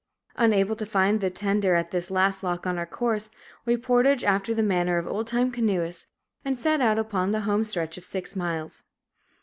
Unable to find the tender at this the last lock on our course, we portaged after the manner of old time canoeists, and set out upon the home stretch of six miles.